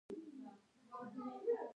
ایا ستاسو صدقه قبوله نه ده؟